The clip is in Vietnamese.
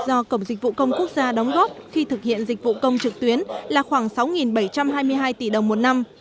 do cổng dịch vụ công quốc gia đóng góp khi thực hiện dịch vụ công trực tuyến là khoảng sáu bảy trăm hai mươi hai tỷ đồng một năm